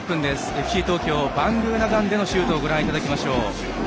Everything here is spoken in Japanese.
ＦＣ東京バングーナガンデのシュートをご覧いただきましょう。